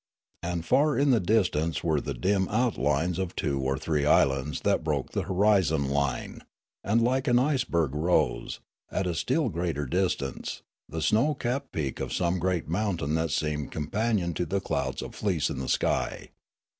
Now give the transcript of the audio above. And far in the distance were the dim outlines of two or three islands that broke the horizon line ; and like an iceberg rose, at a still greater distance, the snow capped peak of some great mountain that seemed companion to the clouds of fleece in the sky.